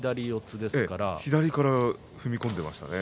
左から踏み込んでましたね。